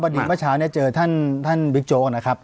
ประดิษฐ์เมื่อเช้าเนี้ยเจอท่านท่านวิ๊กโจ้นะครับ